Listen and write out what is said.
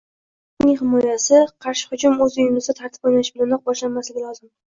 Biroq ummatning himoyasi, qarshi hujum o‘z uyimizda tartib o‘rnatish bilanoq boshlanmasligi lozim